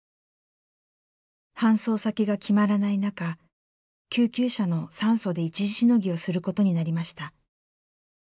搬送先が決まらない中救急車の酸素で一時しのぎをすることになりました。